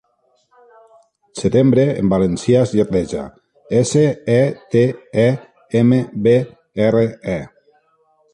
'Setembre' en valencià es lletreja: esse, e, te, e, eme, be, erre, e.